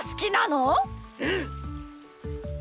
うん！